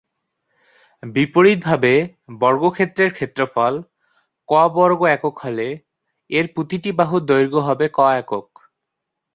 বিপরীতভাবে, বর্গক্ষেত্রের ক্ষেত্রফল "ক" বর্গ একক হলে, এর প্রতিটি বাহুর দৈর্ঘ্য হবে ‘"ক"’ একক।